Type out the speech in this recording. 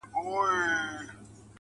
صبر چي تا د ژوند، د هر اړخ استاده کړمه,